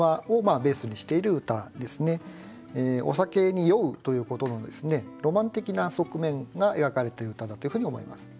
お酒に酔うということのロマン的な側面が描かれている歌だというふうに思います。